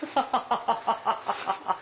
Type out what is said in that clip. ハハハハ！